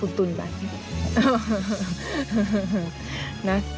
ขุดตุนแหละ